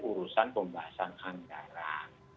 urusan pembahasan anggaran